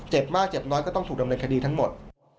มากเจ็บน้อยก็ต้องถูกดำเนินคดีทั้งหมด